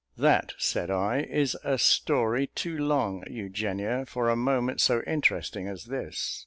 "That," said I, "is a story too long, Eugenia, for a moment so interesting as this.